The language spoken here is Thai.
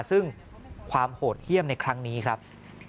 ซึ่งความโหดเยี่ยมในครั้งนี้ครับ